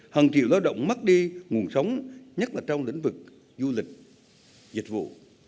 hàng triệu lao động mất đi nguồn sống nhất là trong lĩnh vực du lịch dịch vụ